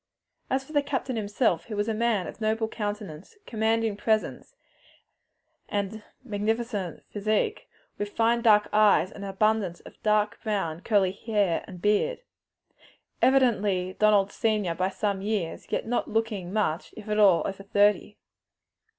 As for the captain himself, he was a man of commanding presence, noble countenance, and magnificent physique, with fine dark eyes and an abundance of dark brown curling hair and beard; evidently Donald's senior by some years, yet not looking much, if at all, over thirty.